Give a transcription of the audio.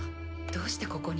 どうしてここに？